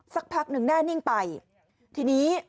สักพักหนึ่งแน่นิ่งไปทีนี้